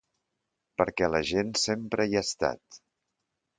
Perquè la gent sempre hi ha estat.